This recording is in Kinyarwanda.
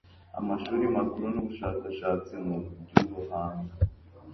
Amashuri Makuru n'Ubushakashatsi mu by'Ubuhanga,